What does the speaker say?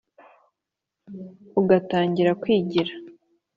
Ugatangira kwigira